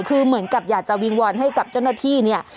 คือเหมือนกับอยากจะวิงวอนให้กับเจ้าหน้าที่เนี่ย